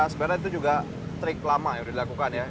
sebenarnya itu juga trik lama yang sudah dilakukan ya